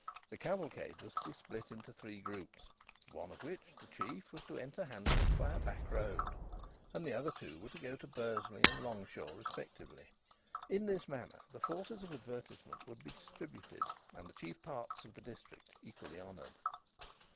The cavalcade was to be split into three groups, one of which, the chief, was to enter Hanbridge by a "back road," and the other two were to go to Bursley and Longshaw respectively. In this manner the forces of advertisement would be distributed, and the chief parts of the district equally honoured.